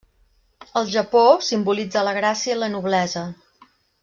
Al Japó, simbolitza la gràcia i la noblesa.